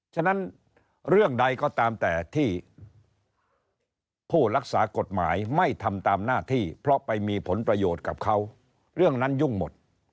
ฉะนั้นเรื่องใดก็ตามแต่ที่ผู้รักษากฎหมายไม่ทำตามหน้าที่เพราะไปมีผลประโยชน์กับเขาเรื่องนั้นยุ่งหมด